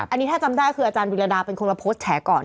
อันนี้ถ้าจำได้คืออาจารย์วิรดาเป็นคนมาโพสต์แฉก่อน